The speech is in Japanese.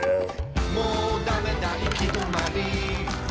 「もうだめだ行き止まり」